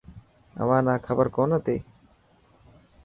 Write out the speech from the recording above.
اوهان نا کبر ڪون هتي.